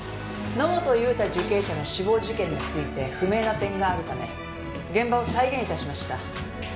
「野本雄太受刑者の死亡事件について不明な点があるため現場を再現致しました」